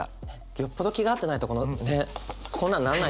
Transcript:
よっぽど気が合ってないとねっこんなんならないでしょ？